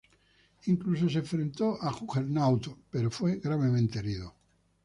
Incluso se enfrentó a Juggernaut pero fue gravemente herido.